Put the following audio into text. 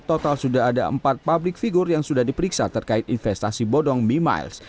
total sudah ada empat publik figur yang sudah diperiksa terkait investasi bodong mi miles